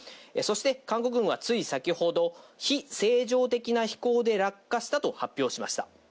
韓国軍がつい先ほど、非正常的な飛行で落下したと発表しました。